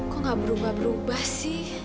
kok gak berubah berubah sih